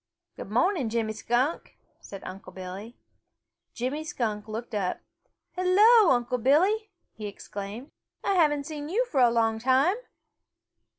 "Good mo'ning, Jimmy Skunk," said Unc' Billy. Jimmy Skunk looked up. "Hello, Unc' Billy!" he exclaimed. "I haven't seen you for a long time!"